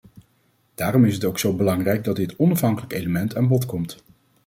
Daarom is het ook zo belangrijk dat dit onafhankelijke element aan bod komt.